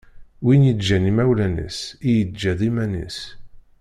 Win yeǧǧan imawlan-is i yeǧǧa d iman-is.